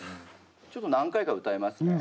ちょっと何回か歌いますね。